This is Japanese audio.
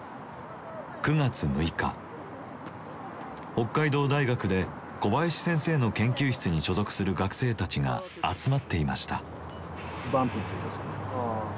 北海道大学で小林先生の研究室に所属する学生たちが集まっていました。